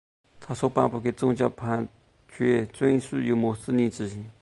他所颁布的宗教判决准许由穆斯林执行。